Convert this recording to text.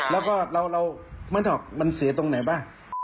แล้วก็เรามันเสียตรงไหนปะ